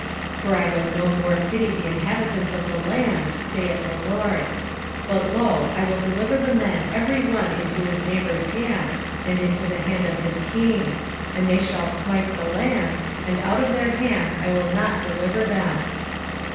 11:6 For I will no more pity the inhabitants of the land, saith the LORD: but, lo, I will deliver the men every one into his neighbours hand, and into the hand of his king: and they shall smite the land, and out of their hand I will not deliver them.